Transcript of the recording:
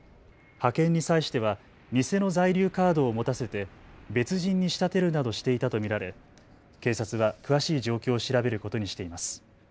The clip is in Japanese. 派遣に際しては偽の在留カードを持たせて別人に仕立てるなどしていたと見られて警察は詳しい状況を調べることにしています。